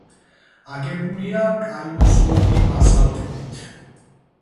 აგებულია კაინოზოური ბაზალტებით.